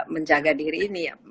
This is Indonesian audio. menjaga diri ini